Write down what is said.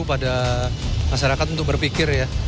pada masyarakat untuk berpikir ya